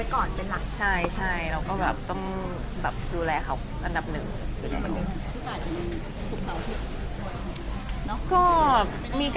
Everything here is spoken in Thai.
ก็ไม่เกี่ยวว่ามันก็เป็นแบบเหมือนตามความหวัดสุขอย่างงี้ค่ะ